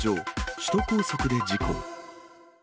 首都高速で事故。